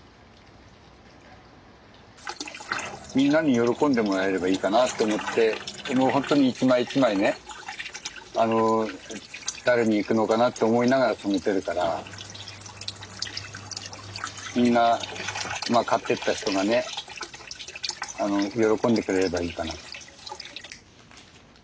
みんなに喜んでもらえればいいかなって思って基本ほんとに一枚一枚ね誰に行くのかなって思いながら染めてるからみんな買ってった人がね喜んでくれればいいかなと。